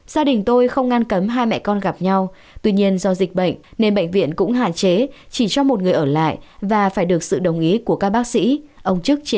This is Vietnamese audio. gia đình tôi không ngăn cấm hai mẹ con gặp nhau tuy nhiên do dịch bệnh nên bệnh viện cũng hạn chế chỉ cho một người ở lại và phải được sự đồng ý của các bác sĩ